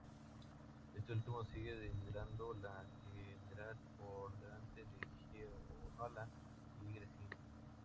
Éste último sigue liderando la general por delante de Gianola y Gresini..